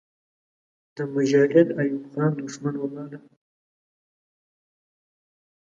د مجاهد ایوب خان دښمن وباله.